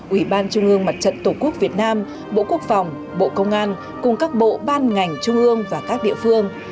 ủy ban trung ương mặt trận tổ quốc việt nam bộ quốc phòng bộ công an cùng các bộ ban ngành trung ương và các địa phương